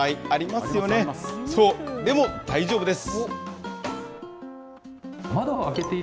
そう、でも大丈夫です。